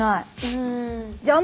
うん。